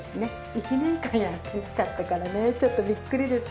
１年間やってなかったからねちょっとビックリですよ